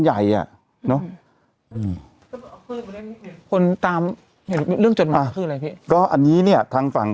ใหญ่อ่ะเนอะอืมคนตามเห็นเรื่องจดหมายคืออะไรพี่ก็อันนี้เนี่ยทางฝั่ง